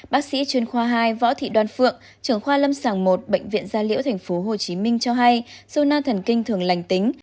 bác sĩ chuyên khoa hai võ thị đoàn phượng trưởng khoa lâm sàng i bệnh viện gia liễu tp hcm cho hay zona thần kinh thường lành tính